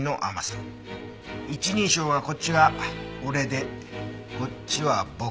一人称はこっちが「俺」でこっちは「僕」。